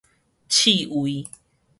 刺蝟